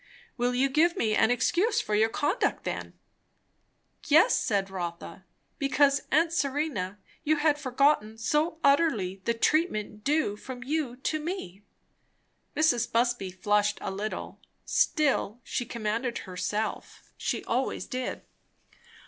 "Will you give me an excuse for your conduct, then?" "Yes," said Rotha. "Because, aunt Serena, you had forgotten so utterly the treatment due from you to me." Mrs. Busby flushed a little. Still she commanded herself She always did.